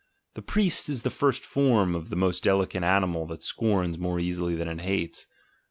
The priest is the first form of the more delicate animal that scorns more easily than it hates.